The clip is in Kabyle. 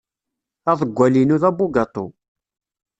Aḍewwal-inu d abugaṭu.